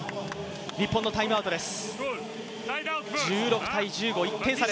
日本のタイムアウトです。